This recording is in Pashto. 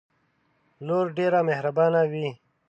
لور ډیره محربانه وی